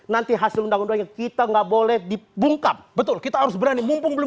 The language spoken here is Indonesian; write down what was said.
nanti hasil undang undangnya kita nggak boleh dibungkam betul kita harus berani mumpung belum